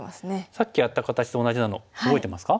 さっきやった形と同じなの覚えてますか？